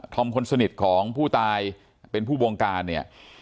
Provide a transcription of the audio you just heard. อมคนสนิทของผู้ตายเป็นผู้บงการเนี่ย